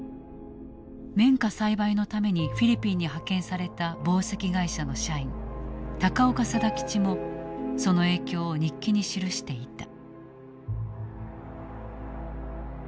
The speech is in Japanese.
綿花栽培のためにフィリピンに派遣された紡績会社の社員高岡定吉もその影響を日記に記していた。